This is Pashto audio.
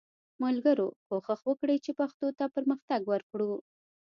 ملګرو کوښښ وکړئ چې پښتو ته پرمختګ ورکړو